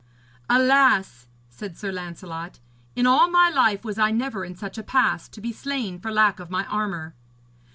'Alas!' said Sir Lancelot, 'in all my life was I never in such a pass, to be slain for lack of my armour.'